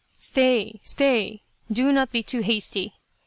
Stay, stay, do not be too hasty